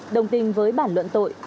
đồng tình với bản luận tội